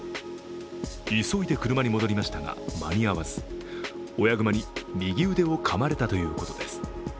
急いで車に戻りましたが間に合わず親熊に右腕をかまれたということです。